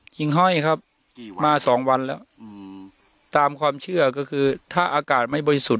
ห้อยครับกี่วันมาสองวันแล้วอืมตามความเชื่อก็คือถ้าอากาศไม่บริสุทธิ์